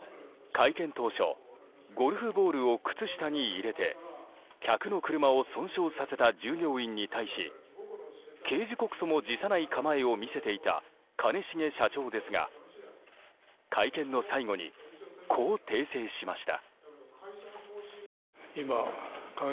会見当初ゴルフボールを靴下に入れて客の車を損傷させた従業員に対し刑事告訴も辞さない構えを見せていた兼重社長ですが会見の最後にこう訂正しました。